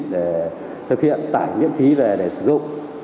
để thực hiện tải miễn phí về để sử dụng